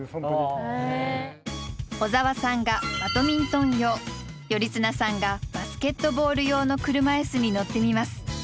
小沢さんがバドミントン用頼綱さんがバスケットボール用の車いすに乗ってみます。